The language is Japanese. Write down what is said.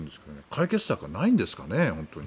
解決策はないんですかね？